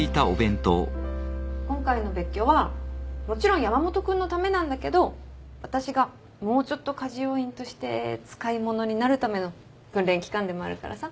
今回の別居はもちろん山本君のためなんだけど私がもうちょっと家事要員として使い物になるための訓練期間でもあるからさ。